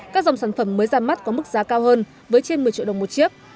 các dòng sản phẩm mới ra mắt có mức giá cao hơn với trên một mươi triệu đồng một chiếc